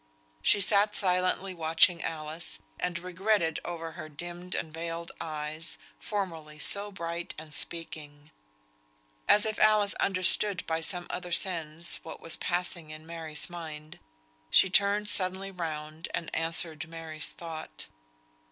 She sat silently watching Alice, and regretting over her dimmed and veiled eyes, formerly so bright and speaking; as if Alice understood by some other sense what was passing in Mary's mind, she turned suddenly round, and answered Mary's thought.